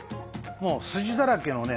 もうスジだらけのね